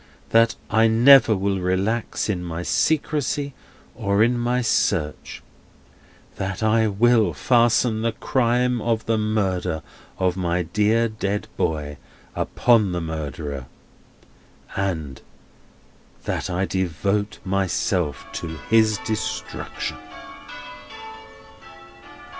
That I never will relax in my secrecy or in my search. That I will fasten the crime of the murder of my dear dead boy upon the murderer. And, That I devote myself to his destruction."